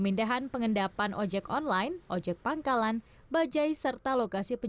ingin mempermudah atau memberikan kenyamanan dan keamanan